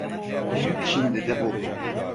Şimdi de bu.